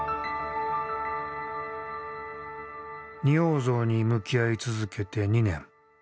仁王像に向き合い続けて２年。